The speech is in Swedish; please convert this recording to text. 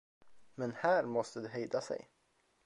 Men här måste de hejda sig.